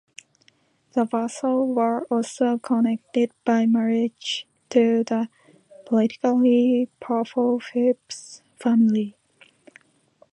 The Vassalls were also connected by marriage to the politically powerful Phips family.